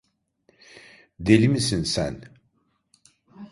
Deli misin sen?